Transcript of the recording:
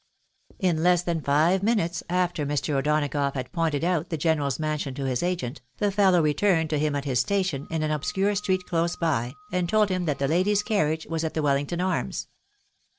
In less than five minutes after Mr. O'Donagough had pointed out the general's mansion to his agent, the fellow returned to him at his station, in an obscure street close by, and told him that the lady's carriage was at the Wellington Arms.